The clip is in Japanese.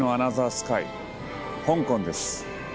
スカイ香港です。